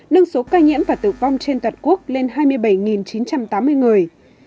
nâng số ca nhiễm và tử vong trên toàn quốc lên hai mươi bảy chín trăm tám mươi người